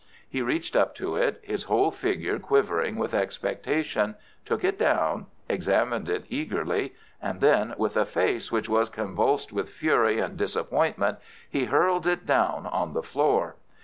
He reached up to it, his whole figure quivering with expectation, took it down, examined it eagerly, and then, with a face which was convulsed with fury and disappointment, he hurled it down on the floor.